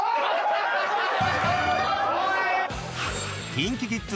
［ＫｉｎＫｉＫｉｄｓ